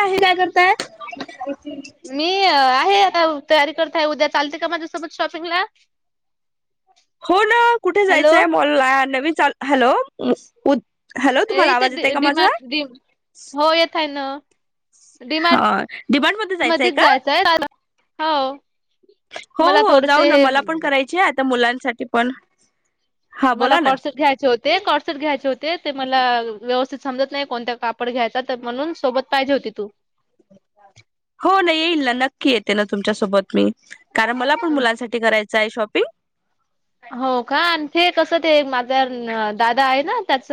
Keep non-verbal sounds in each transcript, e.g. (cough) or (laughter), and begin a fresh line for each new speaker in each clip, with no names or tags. आहे काय करताय
मी अ आहे आता तयारी करताय उद्या चालते का माझ्यासोबत शॉपिंगला.
हो ना कुठे
हॅलो
जायचंय मॉल ला नवीन चाल हॅलो ऊ... हॅलो
ए
तुम्हाला
इथे
आवाज येतय का माझा.
डिमार्ट डि
हा
डीमार
डिमांड मध्ये
मध्येच
का
जायचंय क हो.
हो
मला
हो जाऊ
थोडेसे
ना
हे
मला पण करायची आहे आता मुलांसाठी पण. हा
मला
बोला ना
कोट सेट घ्यायचे होते कॉट सेट घ्यायचे होते. ते ते मला व्यवस्थित समजत नाही कोणत्या कापड घ्यायचा तर म्हणून सोबत पाहिजे होती तू.
हो ना येईल ना नक्की येते ना तुमच्यासोबत मी. कारण मला पण मुलांसाठी करायचं आहे शॉपिंग.
हो का आणि ते कस ते माझा दादा आहे ना त्याच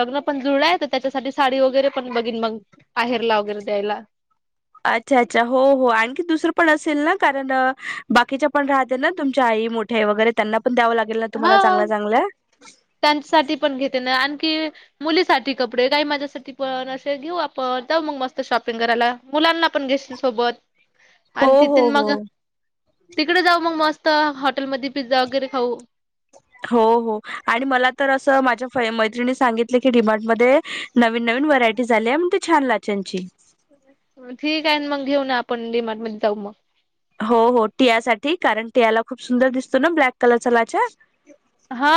लग्न पण जुळलय तर त्याच्यासाठी साडी वगैरे पण बघिन मग माहेरला वगैरे द्यायला.
अच्छा अच्छा हो हो आणखी दुसरं पण असेल ना कारण अ बाकीच्या पण राहते ना तुमच्या आई मोठ्या आई वगैरे त्यांना पण द्यावं लागेल ना
हा
तुम्हाला चांगल्या चांगल्या
त्यांसाठी पण घेते ना आणखी मुलीसाठी कपडे काही माझ्यासाठी पण असे घेऊ आपण जाऊ मग मस्त शॉपिंग करायला मुलानला पण घेशील सोबत
हो
आणि तिथ
हो
मग
हो
तिकडे जाऊ मग मस्त हॉटेलमध्ये पिझ्झा वगैरे खाऊ.
हो हो आणि मला तर असं माझ्या होय मैत्रिणी सांगितले की डिमार्टमध्ये नवीन नवीन व्हरायटीज आल्या म्हणे छान लाचांची
ठीक आहे मग घेऊन आपण डीमार्ट मध्ये जाऊ मग.
हो हो टियासाठी कारण टियाला खूप सुंदर दिसतो ना ब्लॅक कलरचा लाच्या.
हा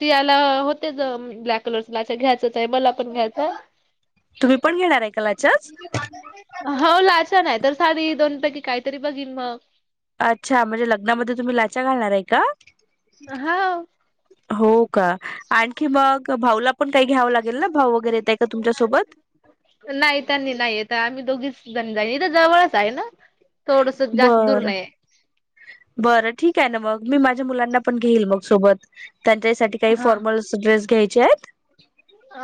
ती याला होतेच ब्लॅक कलर चां लाचा घ्यायच. मला पण घ्यायचाय
तुम्ही पण घेणार आहे का लाचाच
हो लाचा नाही तर साडी दोनीपैकी काहीतरी बघिन मग
अच्छा म्हणजे लग्नामध्ये तुम्ही लाचा घालणार आहे का
हाव.
हो का आणखी मग भाऊला पण काही घ्यावं लागेल ना भाऊ वगैरे येत आहे का तुमच्यासोबत.
नाही त्यांनी नाही येत आम्ही दोघीच जण जाईल इथ जवळच आहे ना थोडस जास्त दूर
बर
नाही
बर ठीक आहे ना मग मी माझ मुलाना पण घेइल मग सोबत त्यांच्याहीसाठी काही
हा
फॉर्मल ड्रेस घ्यायचे आहेत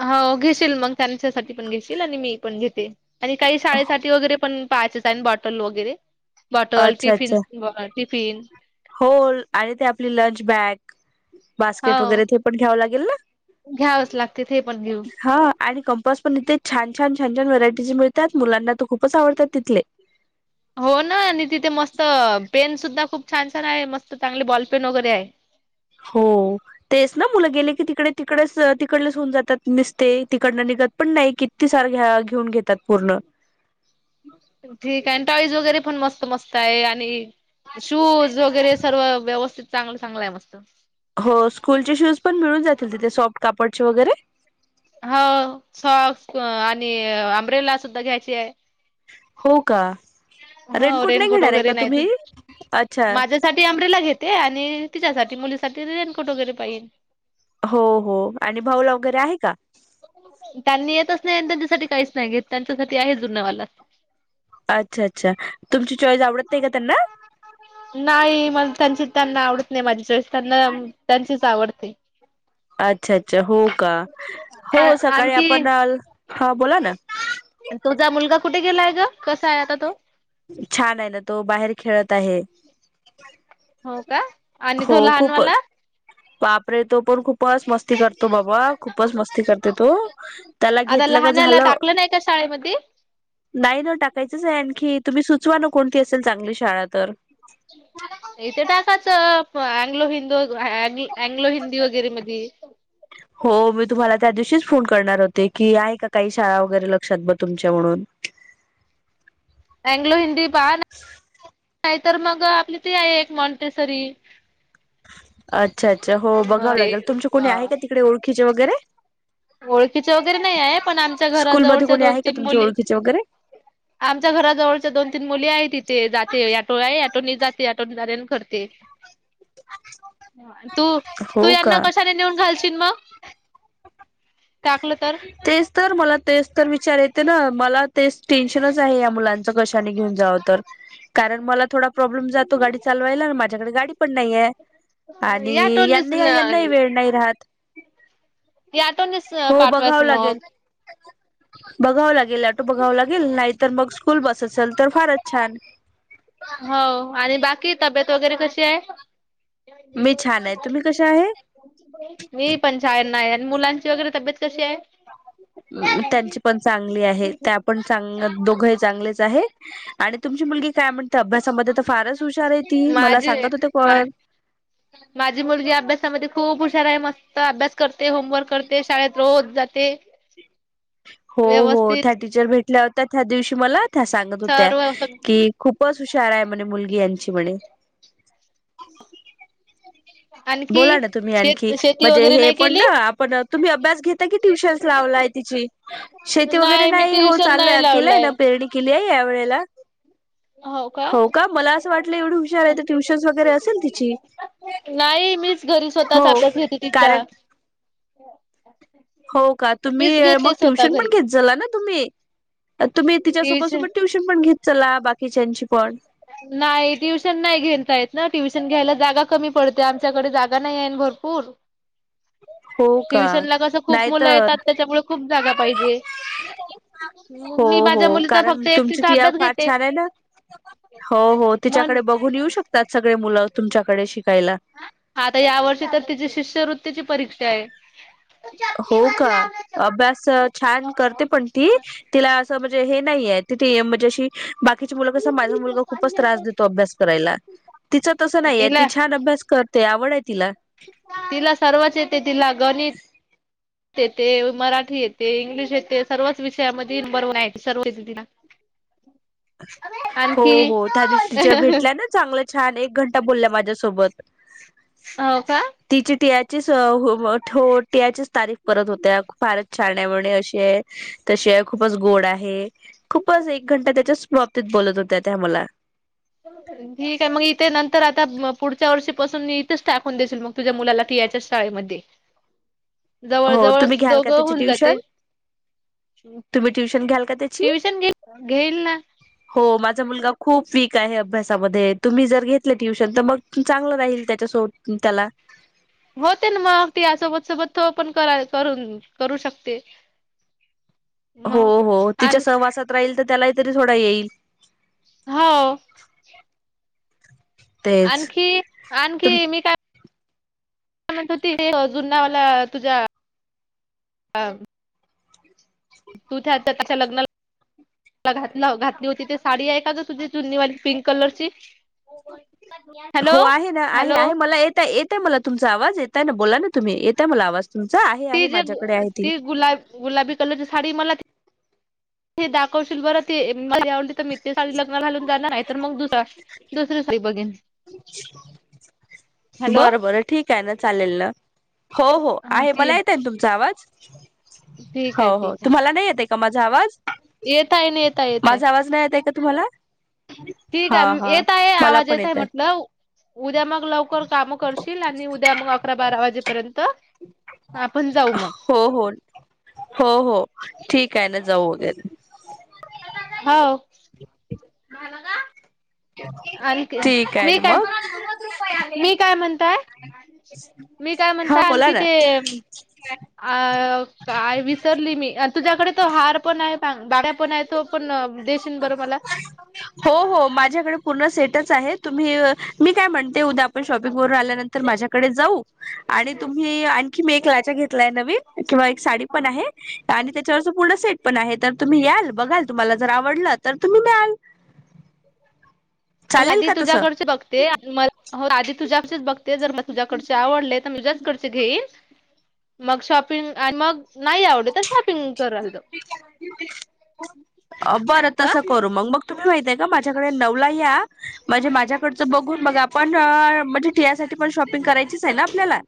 हो घेशील मग त्यांच्यासाठी पण घेशील आणि मी पण घेते. आणि काही शाळेसाठी वगैरे पण पाहायचेच आणि बॉटल वगैरे. बॉटल
अच्छा
टिफिन
अच्छा
स टिफिन
हो आणि ते आपली लंच बॅग बास्केट
हो
वगैरे ते पण घ्यावं लागेल ना.
घ्यावच लागते ते पण घेऊ.
हा आणि कंपास पण इथे छान छान छान छान व्हरायटीज मिळतात मुलांना तर खूपच आवडतात तिथले.
हो ना आणि तिथे मस्त पेन सुद्धा खूप छान छान आहे मस्त चांगले बॉल पेन वगैरे आहे
हो तेच ना मुलं गेले की तिकडे तिकडेच तिकडच होऊन जातात निसते तिकडन पण नाही किती सार घेऊन घेतात पूर्ण
ठीक आहे टॉईज वगैरे पण मस्त मस्त आहे आणि शूज वगैरे सर्व व्यवस्थित चांगलं चांगलं आहे मस्त
हो स्कूलचे शूज पण मिळून जातील तिथे सॉफ्ट कापडचे वगैरे
हो सॉक्स आणि आंब्रेला सुद्धा घ्यायचे आहे
हो का
हो
नाही
रेनकोट
घेणार आहे
वगैरे
का
नाही तर
तुम्ही अच्छा
माझ्यासाठी अंब्रेला घेते आणि तिच्यासाठी मुलीसाठी रेनकोट वगैरे पाहील
हो हो आणि भाऊल वगैरे आहे का
त्यांनी येतच नाही त्यांच्यासाठी काहीच नाही घेत त्यांच्यासाठी आहे जुनावाला
अच्छा अच्छा तुमची चॉईस आवडत नाही का त्यांना
नाही मला त्यांची त्यांना आवडत नाही माझी चॉईस त्यांना त्यांचीच आवडते
अच्छा अच्छा हो का हो सकाळी
आणखी
आपण हा बोला ना
तुझा मुलगा कुठे गेलाय ग कसा आहे आता तो
छान आहे ना तो बाहेर खेळत आहे
हो का आणि
हो
तो लहान
खूप
वाला
बापरे तो आपण खूपच मस्ती करतो बाबा खूपच मस्ती करते तो त्याला
आता
घेतलं का
लहानला
झालं
टाकलं का शाळेमध्ये
नाही ना टाकायचंच आहे आणखी तुम्ही सुचवा ना कोणती असेल चांगली शाळा तर
इथे टाकाच अग्लो हिंदू अल अँग्लो हिंदी वगैरे मध्ये
हो मी तुम्हाला त्या दिवशीच फोन करणार होते की आहे का काही शाळा वगैरे लक्षात ब तुमच्या म्हणून
अंग्लो हिंदी पा ना तर मग आपली त आहे एक मॉन्टेसरी
अच्छा अच्छा हो बघावं लागेल तुमचे कोणी आहे का तिकडे ओळखीचे वगैरे
ओळखीच वगैरे नाही आहे पण आमच्या घरा
स्कूलमध्ये
जवळच्या
कोणी
दोन
आहे का
तीन
तुमच्या
मुली
ओळखीचे वगैरे
आमच्या घरा जवळच्या दोन तीन मुली आहेत तिथे जाते आटो आहे आटोणी जाते आटोे करते तू तू
हो
यांना
का
कशाने नेऊन घालशील मग टाकलं तर
तेच तर मला तेच तर विचार येते ना मला तेच टेन्शनच आहे या मुलांच कशाने घेऊन जावं तर कारण मला थोडा प्रॉब्लेम जातो गाडी चालवायला आणि माझ्याकडे गाडी पण नाहीय
या
आणि
ऑटोनीच
यांना यांनाही वेळ नाही राहत
या ऑटोनीच
हो बघावं
पाठवायचं मग.
लागेल बघावं लागेल ऑटो बघाव लागेल नाहीतर मग स्कूल बस असेल तर फारच छान
हो आणि बाकी तब्येत वगैरे कशी आहे
मी छान आहे तुम्ही कशा आहे
मी पण छान नाही आणि मुलांची वगैरे तब्येत कशी आहे?
त्यांची पण चांगली आहे त्या पण चांग दोघंही चांगलेच आहे आणि तुमची मुलगी काय म्हणते अभ्यासामध्ये तर फारच हुशार आहे ती मला
माझी
सांगत होते
मा
कळ
माझी मुलगी अभ्यासामध्ये खूप आहे मस्त अभ्यास करते होमवर्क करते शाळेत रोज जाते
हो हो
व्यवस्थित
त्या टीचर भेटल्या होत्या त्या दिवशी मला त्या सांगत होत्या
सर्व
की खूप पच हुशार आहे म्हणे मुलगी यांची म्हणे बोला
आणखी
ना तुम्ही आणखी
शेत शेती
म्हणजे
वगैरे
हे
नाही
पण
केली?
ना आपण तुम्ही अभ्यास घेता की ट्युशन् लाव श शेती वगैरे
मी
नाही हो
ट्युशन
चाल
नाही
केलाय ना पेरणी केली आहे या वेळेला
ह
हो का मला असं वाटलं एवढं हुशार आहे तर ट्युशन्स वगैरे असेल तिची
नाही मीच घरी स्वतःच
हो
आपल्या खेचा
कारण हो का तुम्ही मग ट्युशन पण
घरी
घेत झाला ना तुम्ही तुम्ही तिच्यासोबत सोबत ट्युशन पण घेत चला बाकी
नाही ट्युशन नाही घेनच य ना ट्युशन घ्यायला जागा कमी पडते आमच्याकडे जागा नाही आहे भरपूर
हो का
ट्युशन ला कस खूप
नाही
मुलं
तर
येतात त्याच्यामुळे खूप जागा पाहिजे.
हो
मग मी
हो
माझ्या मुलीचा
कारण
फक्त
तुमची
एकटीचा
टियाव
अभ्यास
फार
घेते.
छान आहे ना. हो हो
मन
तिच्याकडे बघून येऊ शकतात सगळे मुलं तुमच्याकडे शिक.
हाता या वर्षी तर तिची शिष्यवृत्तीची परीक्षा आहे.
हो का अभ्यास छान करते पण ती तिला असं. हे नाहीये तिथे म्हणजे अशी बाकीची मुल क अस माझा मुलगा खूपच त्रास देतो अभ्यास करायला तिचं तसं नाहीये ती
तिला
छान अभ्यास करते आवड तिला
तिला सर्वच येते तिला गणित येते मराठी येते इंग्लिश येते सर्वच विषयामध्ये ब सर्व (unintelligible)
हो
आणखी
हो त्या दिवच्या भेटल्या ना चांगलं छान एक घंटा बोलला माझ्यासोबत
हो का
ट्याचीच तारीख परत होत्या फार छाण्यामुळे अशी आहे तशी खूपच गोड आहे खूपच एक घंटा त्याच्या बाबतीत बोलत होत्या त्या मला
ठीक आहे मग इथे नंतर आता पुढच्या वर्षीपासून मी इथेच टाकून देशील मग तुझ्या मुलाला कि च्या शाळेमध्ये जवळ
हो तुम्ही
जवळच
घ्याल का
दोघं
त्याची
होऊन
ट्युशन
जाते.
तुम्ही ट्युशन घ्याल का त्याची
ट्युशन घे घेईल ना.
हो माझा मुलगा खूप वीक आहे अभ्यासामध्ये तुम्ही जर घेतलं ट्युशन तर मग चांगलं राहील त्याच्या सो त्याला
होते ना मगग ती यासोबत सोबत तो पण क करून करू शकते. (unintelligible)
हो
मग
हो तिच्या
आण
सहवासात राहील तर त्यालाही तरी थोडा येईल.
हो.
तेच
आणखी आणखी मी काय? म्हणतो ति अ जुनावाला तुझ्या तू त्या आता त्याच्या लग्नाला ला घात घातली होती ते साडी आहे का ग तुझी जुननीवाली पिंक कलरची हॅलो
हो आहे ना आहे
हॅलो
आहे मला येत येतय मला तुमचा आवाज येत. ना बोला ना तुम्ही येत मला आवाज तुमचा आहे
ती
आहे
जे
माझ्याकडे आहे
ती गुलाब गुलाबी कलरची साडी मला हे दाखवशील बरं ते मवली तर मित सा लग्न घालून जाणार आहे. तर मग दुसरा दुसरी सरी बघेन.
ह.
हॅलो
बरं बरं ठीक आहे ना चालेल ना हो हो
हा
आहे
ठी
मला येत आहे ना तुमचा आवाज
ठीक
हो हो तुम्हाला नाही येते का माझा आवाज
येेतय न येेतय येेतय.
माझा आवाज नाही येत आहे का तुम्हाला हा
आहे
हा
येत आहे
मला
आवाज
पण
येत आहे
येतय.
म्हटलं उद्या मग लवकर काम करशील आणि उद्या मग अकरा बारा वाजेपर्यंत आपण जाऊ मग
हो हो हो हो ठीक आहे ना जाऊ वगेर
हो. आणखी,
ठीक आहे
मी
ना
काय,
मग
नव्वद रु आले, मी काय म्हणताय. मी काय
हा
म्हणता
बोला
आणखी
ना
ते अ, काय विसरली मी, तुझ्याकडे तो हार पण आहे, बागड्या पण आहे तो पण देशीन बरं मला.
हो, हो, माझ्याकडे पूर्ण सेटच आहे, तुम्ही, मी काय म्हणते उद्या आपण शॉपिंग व आल्यानंतरऽऽ तर माझ्याकडे जाऊ,, आणि तुम्ही आणखी मी एक लाचा घेतऽ नवीन, किंवा एक साडी पण आहे, आणि त्याच्या पूर्ण सेटऽ पण आहे, तर तुम्ही याल, बघाल, तुम्हाला जर आवडलं तर तुम्ही न्याल.
मग
चालेल
आधी
का तसं
तुझ्याकडचे बघते, आधी तुझ्याकडच बघते, जर म तुझ्याकडचे आवडलेऽ तुझ्या च कडचे घेईन, मग शॉपिंग आणि मगऽ नाही आवडल तर शॉपिंग करलऽ
अ बरं, तसं करू मग, मगऽ तुम्ही माहितय का माझ्याकडे नवला या,, म्हणजे माझ्याकडचं बघून बऽ पण म्हणजे टीयासाठीपण शॉपिंग करायचीच आहे ना. आपल्याला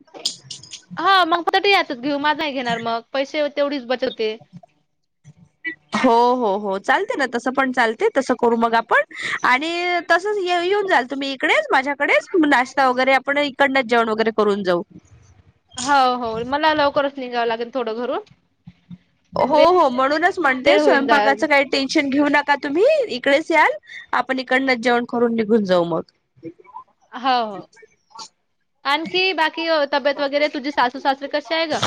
हा मग परत यातच घेऊ, माझहि घेणार मग पैसे. तेवढीच बचत होते.
हो, हो, हो चालतय ना, तस पण चालतय, तस करू मग आपण. आणि, तसच येऊन जाल तुम्ही इकडेच माझ्या इकडेच नाश्ता वगैरे आपण इकडनच जेवण वगैरे करून जाऊ.
हो हो मला लवकरच निघा. थोडं घरून
हो, हो म्हणूनच म्हणते
वेळ होईन जा
स्वयंपाकाचं काही टेन्शन घेऊ नका. का तुम्ही इकडेच याल, आपण इकडनं जेवण करून निघून जाऊ मग.
हो हो, आणखी बाकी तब्येत वगैरे,, तुझी सासू सासरे कसे आहे ग?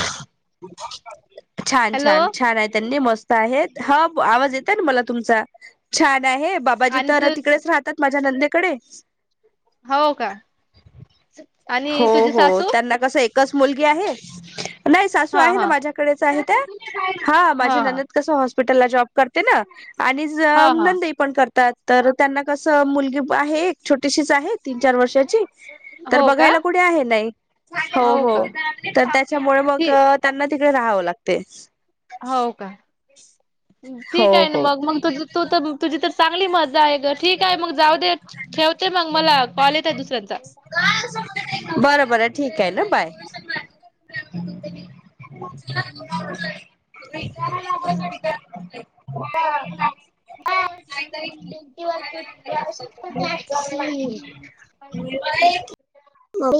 छान,
हॅलो
छान, छान आहे त्यांनी मस्त आहेत. हा, आवाज येत आहे ना मला तुमचा,, छान आहे बाबाजी
आणि
तर
तू
तिकडेच राहतात माझऽ माझ्या नंदेकडे.
हो का?
हो
आणि तुझी
हो,
सासू
त्यांना कस एकऽ कच मुलगी आहे,, नाही सासू
हा
आहे ना
हा
माझ्याकडेच आहे त्याऽ हां, माझी
हा
ननंद कस हॉस्पिटलला जॉब करते ना, आणि
हा हा हा
नंदई पण करतेऽ तर त्यांना कसं मुलगी आहे एक, छोटीशीच आहे तीन चार वर्षाचीऽ तर
हो का
बघायला कुठे आहे नाही,, हो, हो तर त्याच्यामुळे मग
ठीक
त्यांनाऽ तिकडे राहावं लागतेय.
हो का?
हो
ठीक आहे ना
हो.
मग, मग तुझ तू तर तुझी तरऽ चांगली मजा आहे ग,, ठीक आहे मग जाऊ दे,, ठेवते मग मला कॉल येत आहे दुसऱ्यांचाऽ
बर बर, ठीक आहे,, ना बाय. (inaudible)
का ड्युटी वर पणऽ (inaudible)
मला (inaudible)
म, (inaudible)